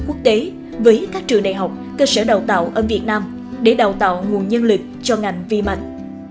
quốc tế với các trường đại học cơ sở đào tạo ở việt nam để đào tạo nguồn nhân lực cho ngành vi mạch